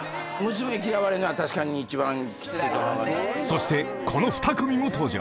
［そしてこの２組も登場］